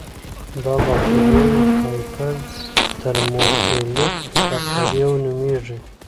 دا بکټریاوې هایپر ترموفیلیک بکټریاوې نومېږي.